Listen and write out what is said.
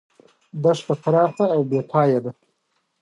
دښته پراخه او بې پایه ده.